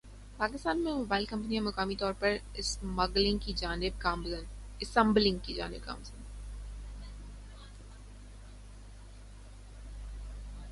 پاکستان میں موبائل کمپنیاں مقامی طور پر اسمبلنگ کی جانب گامزن